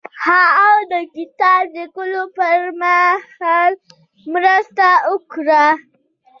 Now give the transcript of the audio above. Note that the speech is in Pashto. هغه د کتاب لیکلو پر مهال مرسته وکړه.